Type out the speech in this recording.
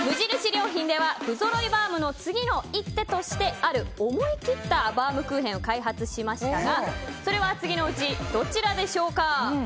良品では不揃いバウムの次の一手としてある思い切ったバウムクーヘンを開発しましたがそれは次のうちどちらでしょうか？